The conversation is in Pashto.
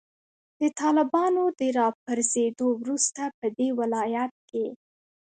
د طالبانو د راپرزیدو وروسته پدې ولایت کې